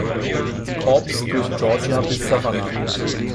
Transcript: Korps durch Georgia bis Savannah.